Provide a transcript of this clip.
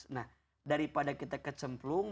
nah daripada kita kecemplungan